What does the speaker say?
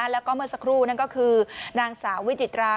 แล้วก็เมื่อสักครู่นั่นก็คือนางสาววิจิตรา